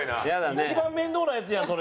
一番面倒なやつじゃんそれ。